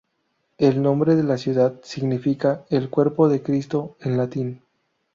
El nombre de la ciudad significa "El Cuerpo de Cristo" en latín.